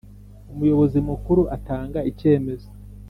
Umuyobozi Mukuru atanga icyemezo